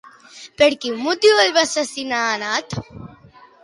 Per quin motiu el va assassinar Anat?